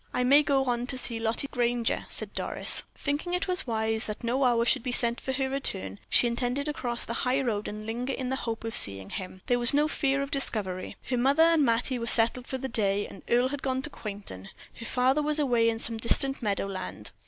I may go on to see Lottie Granger," said Doris. Thinking it wise that no hour should be set for her return, she intended to cross the high road and linger in the hope of seeing him. There was no fear of discovery. Her mother and Mattie were settled for the day, Earle had gone to Quainton, her father was away in some distant meadow land.